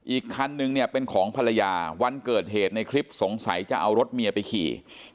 อีกคันนึงเนี่ยเป็นของภรรยาวันเกิดเหตุในคลิปสงสัยจะเอารถเมียไปขี่